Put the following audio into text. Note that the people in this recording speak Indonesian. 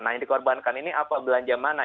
nah yang dikorbankan ini apa belanja mana